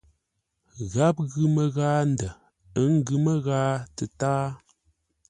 Gháp ghʉ məghaa ndə̂, ə́ ngʉ̌ məghaa tətáa.